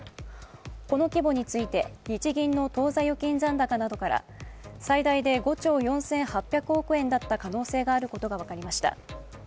この規模について、日銀の当座預金残高などから最大で５兆４８００億円だった可能性があることが分かりました。